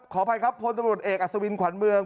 ขออภัยครับพลตำรวจเอกอัศวินขวัญเมือง